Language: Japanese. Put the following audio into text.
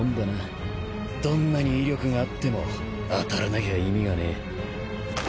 どんなに威力があっても当たらなきゃ意味がねえ。